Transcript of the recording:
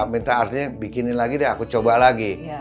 minta artinya bikinin lagi deh aku coba lagi